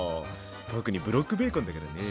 特にブロックベーコンだからね。